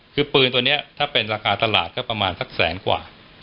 คือปืนตัวนี้ถ้าเป็นราคาตลาดก็ประมาณสักแสนกว่า